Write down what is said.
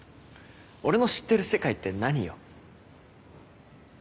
俺の知ってる世界って何よ。